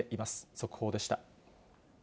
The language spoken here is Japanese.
速報でした。